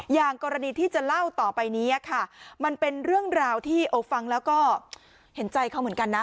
อย่างกรณีที่จะเล่าต่อไปนี้ค่ะมันเป็นเรื่องราวที่โอ้ฟังแล้วก็เห็นใจเขาเหมือนกันนะ